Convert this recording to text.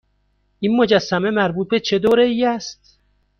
این مجسمه مربوط به چه دوره ای است؟